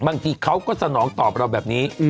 บางทีเขาก็สนองตอบเราแบบนี้